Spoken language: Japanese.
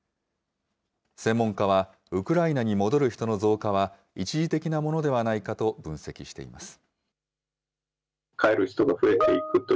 専門家は、ウクライナに戻る人の増加は、一時的なものではないかと分析しています。